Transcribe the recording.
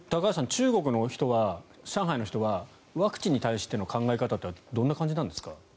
中国の人、上海の人はワクチンに対しての考え方はどんな感じなんですか。